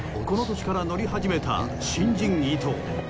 この年から乗り始めた新人伊藤。